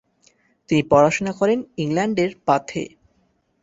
তিনি পড়াশোনা করেন ইংল্যান্ডের বাথে।